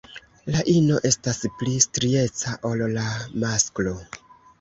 La ino estas pli strieca ol la masklo.